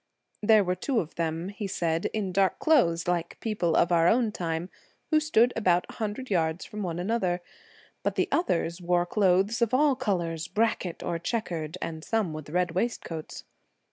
There were two of them, he said, in dark clothes like people of our own time, who stood about a hundred yards from one another, but the others wore clothes of all colours, ' bracket ' or chequered, and some with red waistcoats.